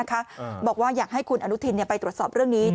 เกิดว่าจะต้องมาตั้งโรงพยาบาลสนามตรงนี้